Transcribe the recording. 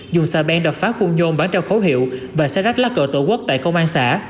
dùng xe ben đập phá khung nhôn bán trao khấu hiệu và xe rách lá cờ tổ quốc tại công an xã